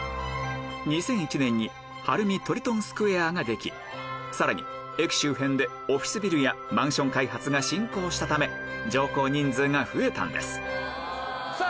２００１年に晴海トリトンスクエアができさらに駅周辺でオフィスビルやマンション開発が進行したため乗降人数が増えたんですさぁ